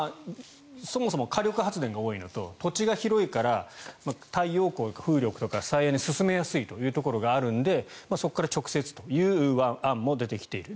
そもそも火力発電が多いのと土地が広いから太陽光、風力とか再エネを進めやすいところがあるのでそこから直接という案も出てきている。